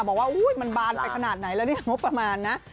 บอกว่าอุ๊ยมันบานไปขนาดไหนแล้วเนี่ยงบประมาณนะ